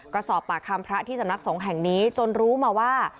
ก็สอบปากคำพระที่สำนักสงฆ์แห่งนี้จนรู้มาว่า